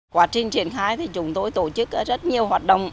quá trình triển khai thì chúng tôi tổ chức rất nhiều hoạt động